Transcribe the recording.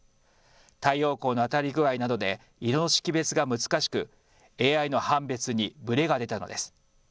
太陽光の当たり具合などで色の識別が難しくＡＩの判別にブレが出たのです。